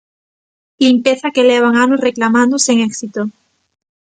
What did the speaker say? Limpeza que levan anos reclamando sen éxito.